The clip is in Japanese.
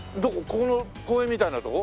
ここの公園みたいなとこ？